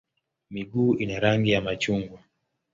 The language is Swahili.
Miguu ina rangi ya machungwa.